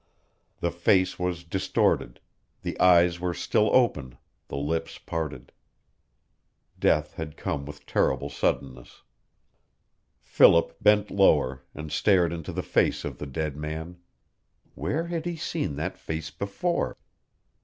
The face was distorted, the eyes were still open, the lips parted. Death had come with terrible suddenness. Philip bent lower, and stared into the face of the dead man. Where had he seen that face before?